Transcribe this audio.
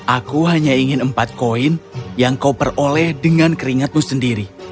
aku hanya ingin empat koin yang kau peroleh dengan keringatmu sendiri